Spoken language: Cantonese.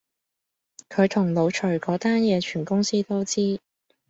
佢同老徐嗰單野全公司都知